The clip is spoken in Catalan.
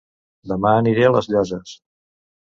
Dema aniré a Les Llosses